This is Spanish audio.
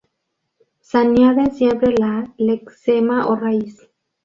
Se añaden siempre al lexema o raíz.